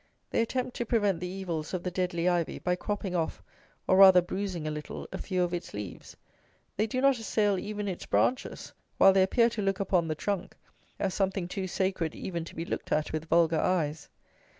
They attempt to prevent the evils of the deadly ivy by cropping off, or, rather, bruising a little, a few of its leaves. They do not assail even its branches, while they appear to look upon the trunk as something too sacred even to be looked at with vulgar eyes.